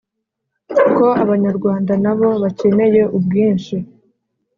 ko abanyarwanda nabo bakeneye ubwinshi!